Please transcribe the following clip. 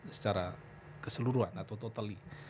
secara keseluruhan atau totally